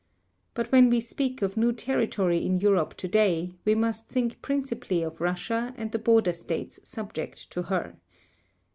"But when we speak of new territory in Europe today, we must think principally of Russia and the border states subject to her."